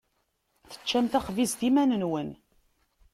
Teččam taxbizt iman-nwen.